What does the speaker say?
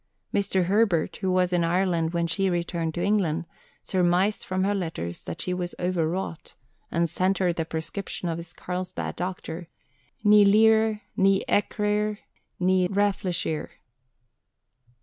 Mr. Herbert, who was in Ireland when she returned to England, surmised from her letters that she was overwrought, and sent her the prescription of his Carlsbad doctor ni lire, ni écrire, ni réfléchir.